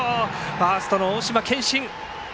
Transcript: ファーストの大島健真。